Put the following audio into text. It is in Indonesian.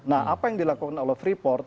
nah apa yang dilakukan oleh freeport